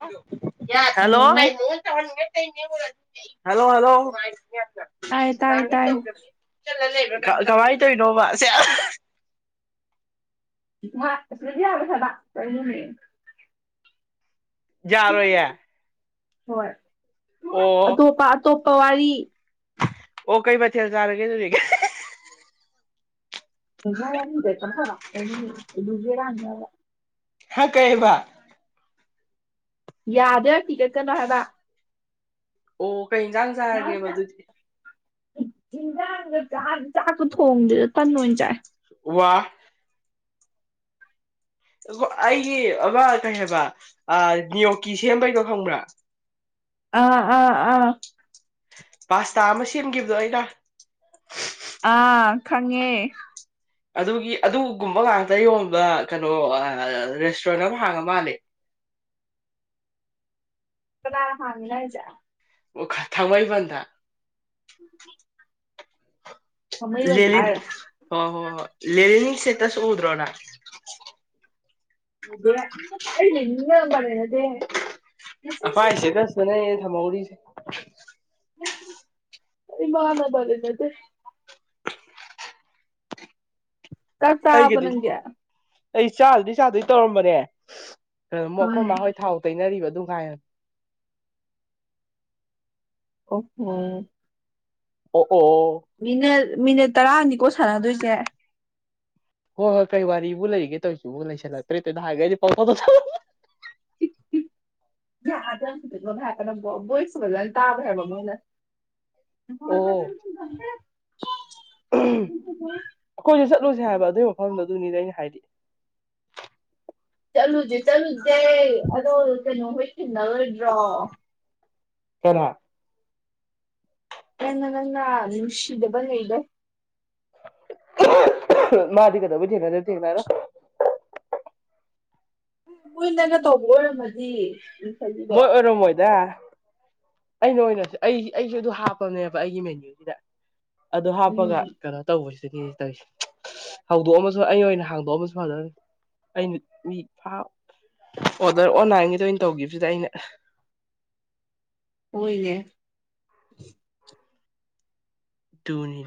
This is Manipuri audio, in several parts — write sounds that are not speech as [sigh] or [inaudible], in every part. [inaudible] ꯌꯥ ꯍꯂꯣ ꯍꯜꯂꯣ ꯍꯜꯂꯣ ꯍꯜꯂꯣ ꯑꯥꯏ ꯇꯥꯏ ꯇꯥꯏ ꯀꯃꯥꯏ ꯇꯧꯅꯣꯕꯁꯦ ꯁꯗꯤꯕ ꯁꯗ ꯀ ꯌꯥꯔꯣꯏ ꯌꯥ ꯍꯣꯏ ꯑꯇꯣꯞꯄ ꯑꯇꯣꯞ ꯄꯥ ꯋꯥꯔꯤ ꯑꯣ ꯀꯩ ꯃꯊꯦꯜ ꯆꯥꯔꯒꯦ ꯑꯗꯨꯗꯤ ꯍꯤ ꯍꯤ ꯍꯤ [unintelligible] ꯍꯥ ꯀꯩꯑꯕ ꯌꯥꯗꯦ ꯍꯤꯒꯠꯀꯅꯣ ꯍꯥꯏꯕ ꯑꯣ ꯀꯩ ꯏꯟꯖꯥꯡ ꯆꯥꯔꯒꯦꯕ ꯑꯗꯨꯗꯤ ꯆꯤꯟꯖꯥꯡꯒ ꯆꯥꯛ ꯆꯥꯛꯇꯣ ꯊꯣꯡꯗꯦꯗ ꯇꯟ ꯑꯣꯏꯅ ꯆꯥꯏ ꯋꯥ ꯑꯃ ꯑꯩꯒꯤ ꯑꯃ ꯀꯩ ꯍꯥꯏꯕ ꯑ ꯅꯤꯌꯣꯀꯤ ꯁꯦꯝꯕꯩꯩꯗꯣ ꯈꯪꯕ꯭ꯔꯥ ꯑꯥ ꯑꯥ ꯑꯥ ꯄꯥꯁꯇꯥ ꯑꯃ ꯁꯦꯝꯒꯤꯕꯗꯣ ꯑꯩꯅ ꯑꯥ ꯈꯪꯉꯦ ꯑꯗꯨꯒꯤ ꯑꯗꯨꯒꯨꯝꯕ ꯉꯥꯛꯇ ꯌꯣꯟꯕ ꯀꯩꯅꯣ ꯑꯥ ꯑꯑ ꯔꯦꯁꯇꯨꯔꯦꯟ ꯑꯃ ꯍꯥꯡꯉꯥ ꯃꯥꯂꯦ ꯀꯗꯥꯏꯗ ꯍꯥꯡꯉꯤꯅꯣ ꯍꯥꯏꯖꯦ ꯑꯣ ꯈ ꯊꯥꯡꯃꯩꯕꯟꯗ [inaudible] ꯊꯥꯡꯃꯩꯕꯟꯗ ꯂꯦꯂꯤꯟ ꯍꯥꯏꯔꯣ ꯍꯣ ꯍꯣ ꯍꯣ ꯂꯦꯂꯤꯟ ꯁ꯭ꯇꯦꯇꯁ ꯎꯗ꯭ꯔꯣ ꯅꯪ [unintelligible] [unintelligible] ꯑꯩ ꯂꯦꯂꯤꯟꯒ ꯅꯝꯕꯔ ꯂꯩꯅꯗꯦꯍꯦ ꯑꯐꯥꯏ ꯁ꯭ꯇꯦꯇꯁꯇꯅ ꯍꯦꯟ ꯊꯝꯍꯧꯔꯤꯁꯦ ꯑꯩ ꯃꯥꯒ ꯅꯝꯕꯔ ꯂꯩꯅꯗꯦ ꯆꯥꯛ ꯆꯥꯔꯕꯣ ꯑꯩꯒꯤꯗꯤ ꯅꯪꯗꯤ ꯑꯩ ꯆꯥꯕꯨꯗꯤ ꯆꯥꯗꯣꯏ ꯇꯧꯔꯝꯕꯅꯦ ꯑꯃꯨꯛ ꯑꯈꯣ ꯎꯝ ꯃꯥꯍꯣꯏ ꯊꯥꯎ ꯇꯩꯅꯔꯤꯕ ꯑ ꯗꯨꯝ ꯈꯥꯏꯌꯣ ꯑꯣ ꯎꯝ ꯑꯣ ꯑꯣ ꯃꯤꯅꯠ ꯇꯔꯥꯅꯤꯀꯣ ꯁꯥꯟꯅꯗꯣꯏꯁꯦ ꯍꯣꯏ ꯍꯣꯏ ꯀꯩ ꯋꯥꯔꯤꯕꯨ ꯂꯩꯔꯤꯒꯦ ꯇꯧꯔꯤꯁꯤꯕꯨ ꯂꯩꯁꯜꯂꯛꯇ꯭ꯔꯦ ꯇꯗ ꯅꯍꯥꯟꯒꯩꯗꯤ ꯄꯥꯎ ꯐꯥꯎ ꯐꯥꯎ ꯁꯥꯟꯅ ꯍꯤ ꯍꯤ [unintelligible] ꯅꯪꯕꯣ ꯕꯣꯏꯖ ꯐꯖꯅ ꯇꯥꯗ꯭ꯔꯦ ꯍꯥꯏꯕ ꯑꯃꯅ ꯑꯣ [unintelligible] ꯑꯩꯈꯣꯏꯁꯨ ꯆꯠꯂꯨꯁꯦ ꯍꯥꯏꯕ ꯑꯗꯨ ꯃꯐꯝꯗ ꯑꯗꯨꯅꯤꯗ ꯑꯩꯅ ꯍꯥꯏꯗꯤ ꯆꯠꯂꯨꯖꯦ ꯆꯠꯂꯨꯖꯦ ꯑꯗꯣ ꯀꯩꯅꯣ ꯍꯣꯏ ꯊꯤꯟꯅꯔꯣꯏꯗ꯭ꯔꯣ ꯀꯅꯥ ꯅꯪꯅꯥ ꯅꯪꯅꯥ ꯅꯨꯡꯁꯤꯗꯕ ꯉꯩꯗꯣ ꯑꯍꯨ ꯑꯍꯨ ꯃꯥꯗꯤ ꯀꯩꯗꯧꯕꯩ ꯊꯦꯡꯅꯗꯣꯏ ꯊꯦꯡꯅꯔꯣꯏ ꯀꯣꯏꯅꯒ ꯇꯧꯕ ꯑꯣꯏꯔꯝꯃꯗꯤ ꯃꯤꯈꯩꯗꯣ ꯃꯣꯏ ꯑꯣꯏꯔ ꯃꯣꯏꯗ ꯑꯩꯅ ꯑꯣꯏꯅꯁꯨ ꯑꯩ ꯑꯩꯁꯨ ꯑꯗꯨ ꯍꯥꯞꯄꯅꯦꯕ ꯑꯩꯒꯤ ꯃꯦꯅ꯭ꯌꯨꯁꯤꯗ ꯑꯗꯨ ꯍꯥꯞꯄꯒ ꯎꯝ ꯀꯩꯅꯣ ꯇꯧꯕꯁꯦ ꯇꯧ ꯍꯧꯗꯣꯛꯑ ꯑꯃꯁꯨ ꯑꯩ ꯑꯣꯏꯅ ꯍꯥꯡꯗꯣꯛꯑ ꯑꯃꯁꯨ ꯍꯅꯤ ꯑꯩꯅ ꯃꯤ ꯑꯣꯗꯔ ꯑꯣꯟꯂꯥꯏꯟꯒꯤꯗ ꯑꯣꯏꯅ ꯇꯧꯈꯤꯕꯁꯤꯗ ꯑꯩꯅ ꯑꯣꯏꯣꯏꯅꯦ ꯇꯣꯅꯤ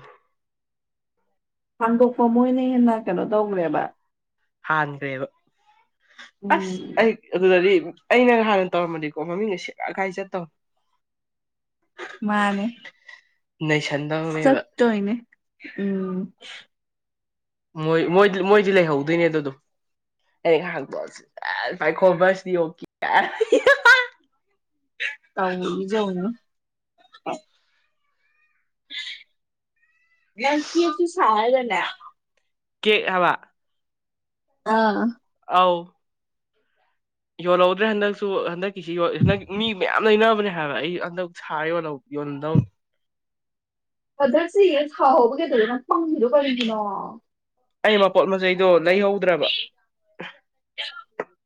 ꯍꯥꯡꯗꯣꯛꯄ ꯃꯣꯏꯅ ꯍꯦꯟꯅ ꯀꯩꯅꯣ ꯇꯧꯈ꯭ꯔꯦꯕ ꯍꯥꯟ꯭ꯔꯦꯕ ꯑꯁ ꯎꯝ ꯑꯩ ꯑꯗꯨꯗꯗꯤ ꯑꯩꯅ ꯍꯥꯟꯅ ꯇꯧꯔꯝꯃꯗꯤꯀꯣ ꯃꯃꯤꯡꯅ ꯁꯦꯛꯂꯈꯥꯏ ꯆꯠꯇꯧ ꯃꯥꯅꯦ ꯅꯩꯁꯟꯗꯕꯅꯦꯕ ꯆꯠꯇꯣꯏꯅꯦ ꯎꯝ ꯣꯏ ꯃꯣꯏꯗꯤ ꯂꯩꯍꯧꯗꯣꯏꯅꯦ ꯑꯗꯨꯗꯣ ꯑ ꯉꯥꯏꯍꯥꯛ ꯄꯥꯏꯈꯣꯕꯁꯤꯗꯤ ꯌꯣꯛ ꯇꯥꯎ ꯌꯦ ꯌꯥꯎꯅꯤ ꯃꯀꯤꯁꯨ ꯁꯍꯗꯅ ꯀꯦꯛ ꯍꯥꯕ ꯑꯥ ꯑꯥꯎ ꯌꯧꯜꯧꯗ꯭ꯔꯦ ꯍꯟꯛꯁꯨ ꯍꯟ ꯁꯤ ꯃꯤ ꯌꯥꯝ ꯂꯩꯅꯕꯅꯦ ꯍꯥꯏꯕ ꯑꯩ ꯍꯟꯗꯛ ꯁꯥꯔ ꯌꯣꯟꯧ ꯌꯣꯟꯗꯧ ꯍꯗꯛꯁꯤ ꯌꯦ ꯊꯥꯍꯧꯕꯒꯩꯗꯗꯣ ꯅꯪ ꯐꯪꯈꯤꯗꯣ ꯀꯔꯤꯒꯤꯅꯣ ꯑꯩ ꯃꯄꯣꯠ ꯃꯆꯩꯗꯣ ꯂꯩꯍꯧꯗ꯭ꯔꯕ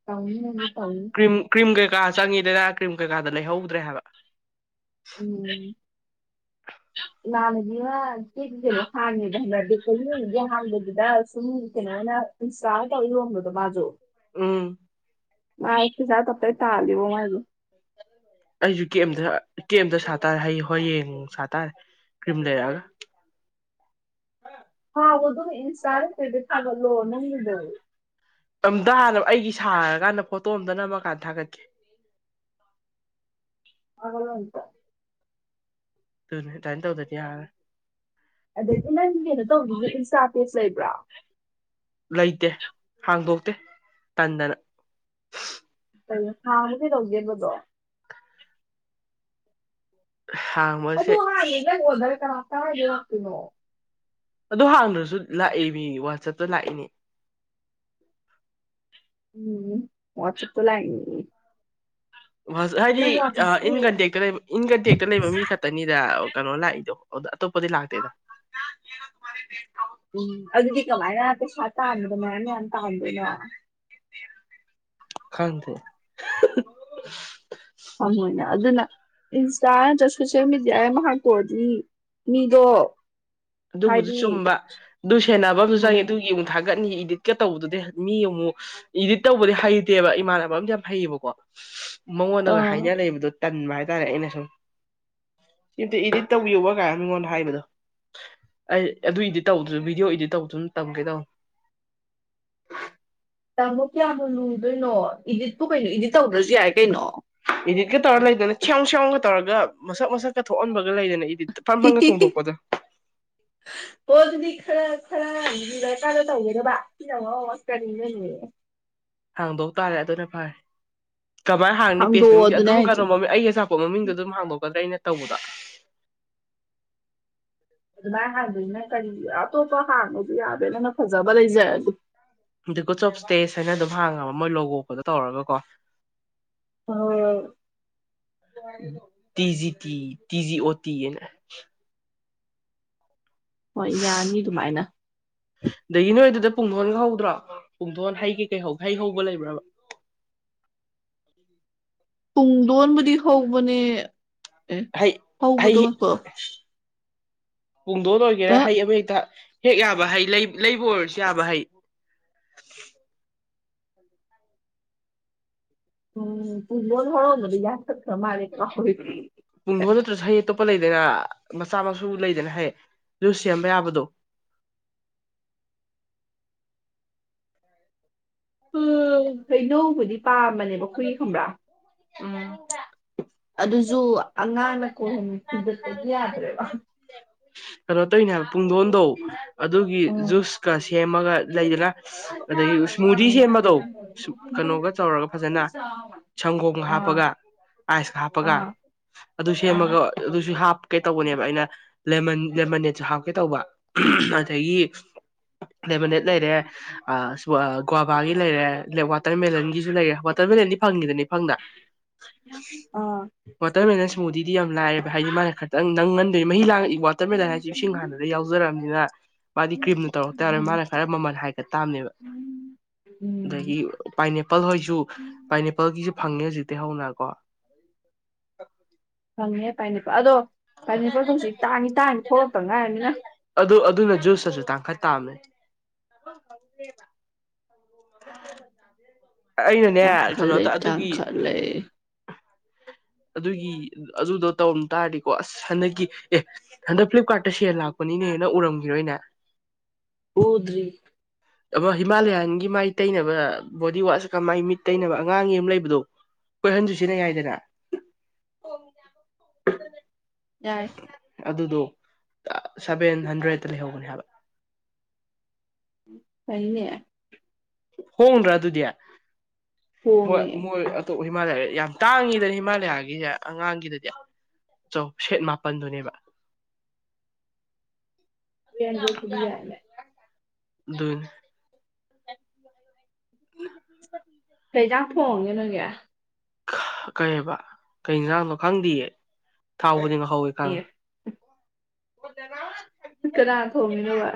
ꯇꯧꯅꯤ ꯅꯪꯁꯨ ꯇꯧꯅꯤ ꯀ꯭ꯔꯤꯝ ꯀ꯭ꯔꯤꯝ ꯀꯩ ꯀꯥ ꯆꯪꯉꯤ ꯂꯅꯥ ꯀ꯭ꯔꯤꯝ ꯀꯩꯀꯥꯗ ꯂꯩꯍꯧꯗ꯭ꯔꯦ ꯍꯥꯏꯕ ꯎꯝ ꯏꯃꯥꯅꯕꯤꯅ ꯀꯦ ꯀꯩꯅꯣ ꯍꯥꯡꯉꯦꯕ ꯍꯥꯏꯅꯗꯤ ꯀꯣꯏ ꯅꯨꯒꯤ ꯍꯥꯡꯕꯗꯨꯗ ꯁꯨꯝ ꯀꯩꯅꯣꯅ ꯏꯟꯁꯇꯥꯜ ꯇꯧ ꯌꯣꯟꯕꯗꯣ ꯃꯥꯁꯨ ꯎꯝ ꯃꯥ ꯑꯩꯛꯇ ꯆ ꯑ ꯏ ꯇꯥꯜꯂꯤꯕꯣ ꯃꯥꯥꯏ ꯑꯗꯨ ꯑꯩꯁꯨ ꯀꯦꯝꯦꯝꯗ ꯀꯦꯝꯦꯝꯇ ꯁꯥ ꯇꯔꯦ ꯍꯌꯦꯡ ꯍꯌꯦꯡ ꯁꯥꯇꯥꯔꯦ ꯀ꯭ꯔꯤꯝ ꯂꯩꯔꯛꯑꯒ ꯍꯜꯂꯣ ꯅꯪꯗ ꯑꯝꯇ ꯍꯥꯟꯅ ꯑꯩꯒꯤ ꯁꯥꯔꯀꯥꯟꯗ ꯐꯣꯇꯣ ꯑꯝꯇ ꯅꯝꯃꯀꯥꯟꯗ ꯊꯥꯒꯠꯀꯦ ꯍꯥꯏꯒꯂ ꯎꯇ ꯇ ꯇꯥꯏꯅ ꯇꯧꯗꯗꯤ ꯌꯥ ꯑꯗꯩꯗꯤ ꯅꯪꯒꯤ ꯀꯩꯅꯣ ꯇꯧꯕꯒꯤ ꯏꯟꯁꯇꯥ꯭ꯔꯇꯦꯖ ꯂꯩꯕ꯭ꯔꯥ ꯂꯩꯇꯦ ꯍꯥꯡꯗꯣꯛꯇ ꯇꯟꯗꯅ ꯍꯥꯡꯕꯗꯤ ꯂꯧꯒꯦꯕꯗꯣ ꯍꯥꯡꯕꯁꯦ ꯑꯗꯨꯗ ꯍꯥ ꯌꯦꯅꯦ ꯍꯕꯔ ꯀꯅꯥ ꯇꯥꯔꯖꯥꯛꯄꯤꯅꯣ ꯑꯣ ꯍꯥꯡꯗ꯭ꯔꯁꯨ ꯂꯥꯛꯏ ꯃꯤ ꯋꯥꯆꯞꯇ ꯂꯥꯛꯏꯅꯦ ꯎꯝ ꯋꯥꯆꯛꯇ ꯂ ꯍꯥꯏꯗꯤ ꯏꯟ ꯀꯟꯇꯦꯛꯇ ꯂꯩꯕ ꯏꯟ ꯀꯟꯇꯦꯛꯇ ꯂꯩꯕ ꯃꯤ ꯈꯛꯇꯅꯤꯗ ꯀꯩꯅꯣ ꯂꯥꯛꯏꯗꯣ ꯑꯣꯗ ꯇꯣꯞꯄꯗꯤ ꯂꯥꯛꯇꯗ ꯎꯝ ꯑꯗꯨꯗꯤ ꯀꯃꯥꯏꯅꯩ ꯁꯥꯥ ꯇ ꯍꯥꯟꯗꯅ ꯅꯌꯥꯝ ꯇ ꯍꯥꯟꯗꯅ ꯈꯥꯟ ꯊꯦ ꯊꯃꯣꯏꯅꯦ ꯑꯗꯨꯅ ꯏꯟꯁꯇꯥ ꯅꯠꯇ꯭ꯔꯒ ꯁꯣꯁꯦꯜ ꯃꯦꯗꯤꯌꯥ ꯑꯃ ꯍꯥꯇ ꯑꯣꯏꯔꯗꯤ ꯃꯤꯗꯣ ꯑꯗꯨꯕꯨꯗꯨ ꯍꯥꯏꯗꯤ ꯆꯨꯝꯕ ꯑꯗꯨ ꯁꯦꯟꯅꯕ ꯑꯃꯁꯁꯨ ꯆꯪꯉꯦ ꯎꯝ ꯑꯗꯨ ꯌꯦ ꯊ ꯊꯒꯠꯅꯤ ꯏꯗꯤꯠꯀ ꯇꯧꯕꯗꯨꯗꯤ ꯃꯤ ꯑꯃꯨꯛ ꯏꯗꯤꯠ ꯇꯧꯕꯗꯤ ꯍꯩꯇꯦꯕ ꯏꯃꯥꯟꯅꯕ ꯑ ꯌꯥꯝ ꯍꯩꯌꯦꯕꯀꯣ ꯃꯉꯣꯟꯗꯒ ꯍꯥꯏꯅ ꯂꯩꯕꯗꯨꯣ ꯇꯟꯕ ꯍꯥꯏꯇꯥꯔꯦ ꯑꯩꯅ ꯁꯨꯝ ꯁꯤꯝꯇ ꯏꯗꯤꯠ ꯇꯧꯌꯣꯕ ꯀꯥꯏ ꯃꯤꯉꯣꯟꯗ ꯍꯥꯏꯕꯗꯣ ꯑꯩ ꯑꯗꯨ ꯏꯗꯤꯠ ꯇꯧꯕꯗꯨꯁꯨ ꯚꯤꯗꯤꯑꯣ ꯏꯗꯤꯠ ꯇꯧꯕꯗꯨꯅ ꯇꯝꯒꯦ ꯇꯧꯕ ꯇꯥꯃꯣ ꯀꯌꯥꯗꯣ ꯂꯨꯗꯣꯏꯅꯣ ꯏꯗꯤꯠꯄꯨ ꯀꯩꯅꯣ ꯏꯗꯤꯠ ꯇꯧꯗ꯭ꯔꯁꯨ ꯌꯥꯏ ꯀꯩꯅꯣ ꯏꯗꯤꯠꯀ ꯇꯧꯔ ꯂꯩꯗꯅ ꯈ꯭ꯌꯥꯝ ꯁ꯭ꯌꯥꯝꯎꯒ ꯇꯧꯔꯒ ꯃꯁꯛ ꯃꯁꯛꯀ ꯊꯣꯛꯍꯟꯕꯒ ꯂꯩꯗꯅ ꯏꯗꯤꯠ ꯐꯟ ꯐꯟꯒ ꯆꯣꯡꯊꯣꯛꯄꯗꯣ ꯄꯣꯊꯅꯤ ꯈꯔ ꯈꯔꯕ ꯀꯥꯔꯣ ꯇꯧꯒꯦꯗꯕꯗꯁꯇꯅꯤꯅ ꯅꯌꯦ ꯍꯪꯕꯧ ꯇꯥꯔꯦ ꯑꯗꯨꯅ ꯐꯔꯦ ꯀꯃꯥꯏꯅ ꯍꯥꯡꯅꯤ ꯄꯦꯁ ꯍꯥꯡꯗꯣꯛꯑꯣ ꯃꯃꯤꯡꯁꯦ ꯑꯗꯨꯅꯦ ꯑꯗꯨꯝ ꯍꯥꯏꯁꯦ ꯀꯩꯅꯣ ꯃꯃꯤꯡ ꯑꯩ ꯑꯆꯥꯄ ꯃꯃꯤꯡꯗ ꯑꯗꯨꯝꯥꯡꯗꯣꯛꯀꯗ꯭ꯔꯥ ꯑꯩꯅ ꯇꯧꯕꯗ ꯑꯗꯨꯃꯥꯏꯅ ꯍꯥꯡꯗꯅꯤꯅꯪ ꯀꯔꯤ ꯑꯇꯣꯞꯄ ꯍꯥꯡꯕꯁꯨ ꯌꯥꯗꯦ ꯅꯪ ꯅꯪ ꯐꯖꯕ ꯂꯩꯖꯔꯒꯦ ꯑ ꯒꯨꯠꯁ ꯑꯣꯐ ꯏꯁꯇꯦꯁ ꯍꯥꯏꯅ ꯑꯗꯨꯝ ꯍꯥꯡꯉꯕ ꯃꯣꯏ ꯂꯣꯒꯣꯛꯄꯗ ꯇꯧꯔꯒ ꯀꯣ ꯑꯣ ꯇꯤꯖꯤ ꯇꯤ ꯇꯤꯖꯤ ꯑꯣ ꯇꯤ ꯍꯣꯏ ꯌꯥꯅꯤ ꯑꯗꯨꯃꯥꯏꯅ ꯄꯨꯡꯊꯣꯟꯒ ꯍꯧꯗ꯭ꯔꯣ ꯄꯨꯡꯊꯣꯟ ꯍꯩꯒꯦ ꯀꯩ ꯍꯩ ꯍꯧꯕ ꯂꯩꯕ꯭ꯔꯕ ꯇꯨꯡꯗꯣꯟꯕꯨꯗꯤ ꯍꯧꯕꯅꯦ ꯑꯦ ꯍꯩ ꯍꯩ ꯍꯥꯎꯕꯨꯇꯃ ꯀꯣ ꯄꯨꯡꯗꯣꯟ ꯑꯣꯏꯒꯦꯔꯥ ꯍꯩ ꯑꯃ ꯍꯩꯛꯇ ꯍꯦꯛ ꯌꯥꯕ ꯍꯩ ꯂꯩꯕ ꯑꯣꯏꯔꯁꯨ ꯌꯥꯕ ꯍꯩ ꯎꯝ ꯄꯨꯕꯣꯜ ꯍꯅ ꯌꯥ ꯄꯨ ꯍꯂꯁꯥꯏꯌꯦ ꯂꯩꯗꯅ ꯃꯆꯥ ꯃꯁꯨ ꯂꯩꯗꯅ ꯍꯥꯏꯌꯦ ꯑꯗꯨꯨ ꯁꯦꯝꯕ ꯌꯥꯕꯗꯣ ꯎꯝ ꯍꯩꯅꯕꯨꯗꯤ ꯄꯥꯝꯕꯅꯦꯕ ꯍꯨꯏ ꯈꯪꯕ꯭ꯔꯥ ꯑꯗꯨꯁꯨ ꯑꯉꯥꯡꯅ ꯀꯣꯏꯍꯃꯤ ꯊꯤꯗꯄꯗꯤ ꯌꯥꯗ꯭ꯔꯦꯕ ꯔꯣ ꯇꯒꯤꯅꯦ ꯄꯨꯡꯗꯣꯟꯗꯧ ꯑꯗꯨꯒꯤ ꯎꯝ ꯖꯨꯁꯀ ꯁꯦꯝꯃꯒ ꯂꯩꯗꯅ ꯑꯥ ꯑꯗꯒꯤ ꯏꯁꯃꯨꯗꯤ ꯁꯦꯝꯕꯗꯧ ꯀꯩꯅꯣꯒ ꯇꯧꯔꯒ ꯐꯖꯅ ꯁꯪꯒꯣꯝꯒ ꯑꯥ ꯍꯥꯞꯄꯒ ꯑꯥꯏꯁꯀ ꯍꯥꯞꯄꯒ ꯑꯗꯨ ꯑꯥ ꯁꯦꯝꯃꯒ ꯑꯗꯨꯁꯨꯞ ꯀꯩꯇꯧꯕꯅꯦꯕ ꯑꯩꯅ ꯂꯦꯃꯟ ꯂꯦꯃꯅꯦꯠꯁꯨ ꯍꯥꯞꯀꯦ ꯇꯧꯕ ꯑꯗꯒꯤ ꯂꯦꯃꯅꯦꯠ ꯂꯩꯔꯦ ꯒ꯭ꯋꯥꯕꯥꯒꯤ ꯂꯩꯔꯦ ꯂꯦꯛ ꯋꯥꯇꯔꯃꯦꯦꯂꯟꯒꯤꯁꯨ ꯂꯩꯔꯦ ꯋꯥꯇꯔꯃꯦꯂꯟꯗꯤ ꯐꯪꯈꯤꯗꯅꯤ ꯐꯪꯗ ꯑꯥ ꯋꯥꯇꯔꯃꯦꯂꯟ ꯁꯃꯨꯗꯤꯗꯤ ꯌꯥꯝ ꯂꯥꯏꯑꯦꯕ ꯍꯥꯏꯗꯤ ꯃꯥꯅ ꯈꯤꯇꯪ ꯅꯪ ꯉ ꯃꯍꯤ ꯂ ꯏ ꯋꯥ ꯃꯥꯗꯤ ꯀ꯭ꯔꯤꯝꯅ ꯇꯧꯔꯛ ꯇꯥꯔꯦ ꯃꯥꯅ ꯈꯔ ꯃꯃꯜ ꯍꯥꯏꯒꯠ ꯇꯥꯕꯅꯦꯕ ꯎꯝ ꯑꯗꯒꯤ ꯄꯥꯏꯅꯦꯄꯜ ꯎꯝ ꯇꯤ ꯍꯧꯅꯀꯣ ꯐꯅꯤ ꯄꯣꯁꯤ ꯇꯥꯅꯤ ꯇꯥꯅꯤ ꯊꯣꯛꯂꯛꯛꯇ ꯉꯥꯏꯔꯅꯤꯅ ꯑꯃꯦ [unintelligible] ꯑꯩꯅꯅꯦ ꯇꯥꯡꯈꯠꯂꯦ ꯀꯩꯅꯣꯗ ꯑꯗꯨꯒꯤ ꯇꯥꯡꯈꯠꯂꯦ ꯑꯗꯨꯒꯤ ꯑꯗꯨꯗꯣ ꯇꯧꯔꯝ ꯇꯥꯔꯗꯤꯀꯣ ꯑꯁ ꯍꯟꯗꯛꯀꯤ ꯑꯦ ꯍꯟꯗꯛ ꯐ꯭ꯂꯤꯞꯀꯥꯔꯠꯇ ꯁꯦꯜ ꯂꯥꯛꯄꯅꯤꯅꯦꯅ ꯎꯔꯝꯈꯤꯔꯣꯏꯅꯦ ꯎꯗꯔꯤ ꯑ ꯍꯤꯃꯥꯂꯌꯥꯟꯒꯤ ꯃꯥꯏ ꯇꯩꯅꯕ ꯕꯣꯗꯤ ꯋꯥꯁꯀ ꯃꯥꯏ ꯃꯤꯠ ꯇꯩꯅꯕ ꯑꯉꯥꯡ ꯌꯦ ꯑꯃ ꯂꯩꯕꯗꯣ ꯀꯣꯏꯍꯟꯗꯨ ꯁꯤꯅ ꯌꯥꯏꯗꯅ [unintelligible] ꯌꯥꯔꯦ ꯑꯗꯨꯗꯣ ꯁꯚꯦꯟ ꯍꯟꯗ꯭ꯔꯦꯗꯠꯇ ꯂꯩꯍꯧꯕꯅꯤ ꯍꯥꯏꯕ ꯀꯅꯦ ꯍꯟ꯭ꯔꯥ ꯑꯗꯨ ꯑꯗꯨꯗꯌꯥ ꯃ ꯍꯣꯡꯉꯦ ꯃꯣꯏ ꯑ ꯑꯣ ꯍꯤꯃꯥꯂꯌꯥ ꯌꯥꯝ ꯇꯥꯡꯉꯤꯗꯅꯦ ꯍꯤꯃꯥꯂꯌꯥꯒꯤꯁꯦ ꯑꯉꯥꯡꯒꯤꯗꯗꯤ ꯆꯧ ꯁꯦꯠ ꯃꯥꯄꯜꯗꯨꯅꯦꯕ ꯗꯁꯨꯕꯤ ꯌꯥꯃꯦ ꯑꯗꯨ [unintelligible] ꯂꯩꯩꯖꯥꯡ ꯊꯣꯡꯒꯦ ꯅꯒꯦ ꯀꯩ ꯍꯥꯏꯕ ꯀꯩꯁꯥꯡꯅꯣ ꯈꯪꯗꯦꯌꯦ ꯊꯥꯎꯕꯨꯗꯤ ꯍꯣꯏ ꯈ ꯑꯦ ꯍꯗꯔ ꯀꯅꯥ ꯊꯧꯃꯤꯅꯣ ꯋꯥ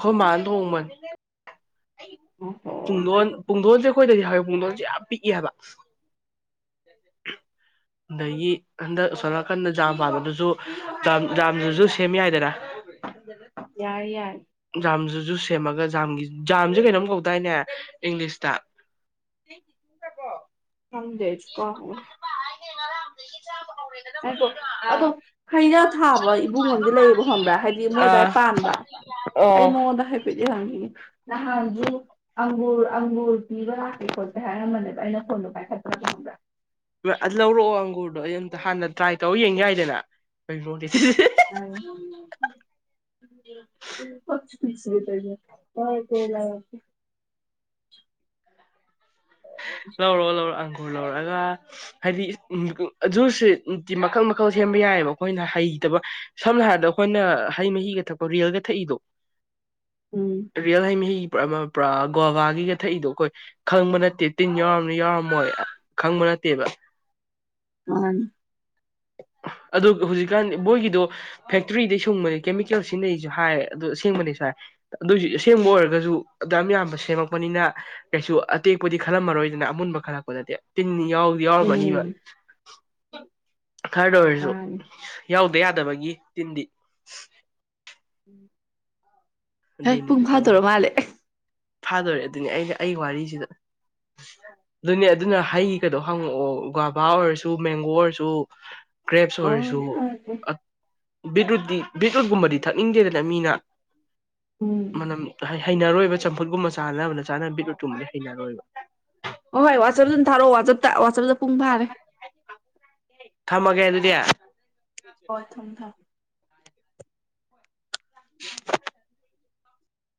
ꯍꯣꯏ ꯃꯥꯥꯟꯗ ꯎꯃꯟ ꯑꯣꯍꯣ ꯄꯨꯡꯗꯣꯟ ꯄꯨꯡꯗꯣꯟꯁꯦ ꯑꯩꯈꯣꯏꯗꯗꯤ ꯍꯥꯏꯕ ꯃꯨꯡꯗꯣꯟꯁꯦ ꯌꯥꯝ ꯄꯤꯛꯏ ꯍꯥꯏꯕ ꯑꯗꯒꯤ ꯍꯟꯗꯛ ꯁꯣꯅꯥꯅꯥꯀꯟꯗ ꯖꯥꯝ ꯄꯥꯟꯕꯥꯝꯕꯗꯨꯁꯨ ꯝ ꯖꯥꯝꯗꯨꯁꯨ ꯁꯦꯝ ꯌꯥꯏꯗꯅ ꯌꯥꯏ ꯌꯥꯏ ꯝꯖꯨ ꯖꯨ ꯁꯦꯝꯃꯒ ꯖꯥꯝ ꯖꯥꯝꯁꯦ ꯀꯩꯅꯣꯝ ꯀꯧꯗꯥꯏꯅꯦ ꯏꯪꯂꯤꯁꯇ ꯊꯗꯦ ꯆꯨꯀꯥ ꯍꯨ ꯍꯥꯏꯀꯣ ꯑꯗꯣ ꯍꯩꯔꯥ ꯊꯥꯕ ꯏꯕꯨꯡꯉꯣꯗꯤ ꯂꯩꯌꯦꯕ ꯈꯣꯟꯕ꯭ꯔꯥ ꯍꯥꯏꯗꯤ ꯃꯣꯏꯗꯋꯥꯏ ꯑꯥ ꯄꯥꯟꯕꯥꯝꯕ ꯑꯩ ꯑꯣ ꯃꯉꯣꯟꯗ ꯍꯥꯏꯐꯦꯠꯗꯤ ꯍꯪꯅꯤꯡꯉꯦ ꯅꯍꯥꯟꯁꯨ ꯑꯪꯒꯨꯔ ꯑꯪꯒꯨꯔ ꯄꯤꯕ ꯂꯥꯛꯀꯦ ꯈꯣꯠꯀꯦ ꯍꯥꯏꯔꯝꯃꯅꯦꯕ ꯑꯩꯅ ꯐꯣꯟꯗ ꯑ ꯂꯔꯣꯒꯨꯔ ꯑꯗ ꯑꯩ ꯑꯝꯇ ꯍꯥꯟꯅ ꯇ꯭ꯔꯥꯏ ꯇꯧꯔ ꯌꯦꯡ ꯌꯥꯏꯗꯅ ꯀ ꯄ ꯄꯁ ꯇ ꯀꯥꯏ ꯀ ꯂ ꯂꯧꯔꯣ ꯂꯧꯔ ꯂꯧꯔꯒ ꯍꯥꯏꯗꯤ ꯖꯨꯁꯦ ꯅꯨꯡꯇꯤ ꯃꯈꯜ ꯃꯈꯜ ꯁꯦꯝꯕ ꯌꯥꯏꯑꯕ ꯑꯩꯈꯣꯏꯅ ꯍꯩꯇꯕ ꯁꯝꯅ ꯍꯥꯏꯔꯕꯗ ꯑꯩꯈꯣꯏꯅ ꯍꯩ ꯃꯍꯤꯒ ꯊꯛꯄ ꯔꯤꯌꯦꯜꯒ ꯊꯛꯏꯗꯣ ꯔꯤꯌꯦꯜ ꯍꯩ ꯃꯍꯤ ꯄꯨꯔꯥ ꯄꯤꯔꯥ ꯒꯣꯕꯥꯒꯤꯒ ꯊꯛꯏꯗꯣ ꯑꯩꯈꯣꯏ ꯈꯪꯕ ꯅꯠꯇꯦ꯫ ꯇꯤꯟ ꯌꯥꯎꯔꯝꯅꯤ ꯌꯥꯎꯔꯝꯃꯣꯏ ꯈꯪꯕ ꯅꯠꯇꯦꯕ꯫ ꯃꯥꯅꯤ꯫ ꯑꯗꯨ ꯍꯧꯖꯤꯛꯀꯥꯟ ꯃꯣꯏꯒꯤꯗꯣ ꯐꯦꯛꯇ꯭ꯔꯤꯗꯩ ꯁꯨꯡꯕꯅꯦ ꯀꯦꯃꯤꯀꯦꯜ ꯁꯤꯖꯤꯟꯅꯩꯁꯨ ꯍꯥꯏ ꯑꯗꯨ ꯑꯁꯦꯡꯕꯅꯦꯁꯨ ꯍꯥꯏ ꯑꯗꯨꯁꯨ ꯑꯁꯦꯡꯕ ꯑꯣꯏꯔꯒꯁꯨ ꯑꯗꯨꯌꯥꯝ ꯌꯥꯝꯕ ꯁꯦꯝꯃꯛꯄꯅꯤꯅ ꯀꯩꯁꯨ ꯑꯇꯦꯛꯄꯗꯤ ꯈꯜꯂꯝꯃꯔꯣꯏꯗꯅ ꯑꯃꯨꯟꯕ ꯈꯜꯂꯛꯄꯗꯗꯤ ꯇꯤꯟꯅꯤ ꯌꯥꯎꯗꯤ ꯌꯥꯎꯕꯅꯤꯕ꯫ ꯎꯝ ꯈꯔꯗ ꯑꯣꯏꯔꯁꯨ ꯃꯥꯅꯤ ꯌꯥꯎ ꯗ ꯌꯥꯗꯕꯒꯤ ꯇꯤꯟꯗꯤ ꯎꯝ ꯍꯩ ꯑꯗꯨꯅꯤꯗ ꯄꯨꯡ ꯐꯥꯗꫭꯔ ꯇꯧꯔꯤ ꯃꯥꯜꯂꯦ꯫ ꯐꯥꯗꯣꯔꯦ ꯑꯗꯨꯅꯦ ꯑꯩꯅ ꯑꯩ ꯋꯥꯔꯤꯁꯤꯗ ꯑꯗꯨꯅꯦ ꯑꯗꯨꯅ ꯍꯩ ꯀꯩꯗꯣ ꯍꯪꯉꯛꯑꯣ ꯒꫭꯑꯥꯕꯥ ꯑꯣꯏꯔꯁꯨ ꯃꯦꯡꯒꯣ ꯑꯣꯏꯔꯁꯨ ꯀ꯭ꯔꯦꯞꯁ ꯑꯣ ꯑꯣꯏꯔꯁꯨ ꯊꯥꯔꯛꯀꯦ ꯕꯤꯠꯔꯨꯠꯗꯤ ꯕꯤꯠꯔꯨꯠꯒꯨꯝꯕꯗꯤ ꯊꯛꯅꯤꯡꯗꯦꯗꯅ ꯃꯤꯅ ꯎꯝ ꯃꯅꯝ ꯍꯥꯏ ꯍꯩꯅꯔꯣꯏꯕ ꯆꯝꯐꯨꯠꯀꯨꯝꯕ ꯆꯥꯅꯕꯅ ꯆꯥꯅꯕ ꯕꯤꯠꯔꯨꯠꯀꯨꯝꯕꯗꯤ ꯍꯩꯅꯔꯣꯏꯕ꯫ ꯍꯣꯏ ꯋꯥꯆꯞꯅ ꯊꯥꯔꯛꯑꯣ ꯋꯥꯆꯞ ꯇ ꯋꯥꯆꯞꯇ ꯄꯨꯡ ꯐꯥꯔꯦ꯫ ꯊꯝꯑꯒꯦ ꯑꯗꯨꯗꯤ꯫ [inaudible] ꯍꯣꯏ ꯊꯝꯃꯦ ꯊꯝꯃꯦ [inaudible]